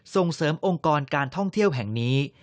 ส่งเสริมองค์กรการท่องเที่ยวแห่งนี้